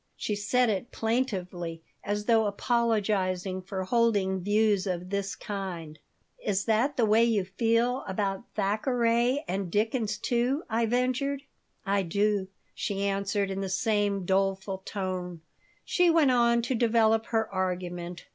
She said it plaintively, as though apologizing for holding views of this kind "Is that the way you feel about Thackeray and Dickens, too?" I ventured "I do," she answered, in the same doleful tone She went on to develop her argument.